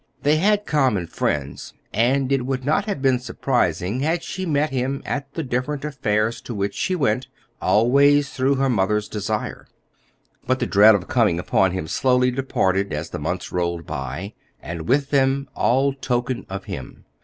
They had common friends, and it would not have been surprising had she met him at the different affairs to which she went, always through her mother's desire. But the dread of coming upon him slowly departed as the months rolled by and with them all token of him.